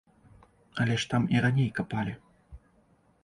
Але ж там і раней капалі.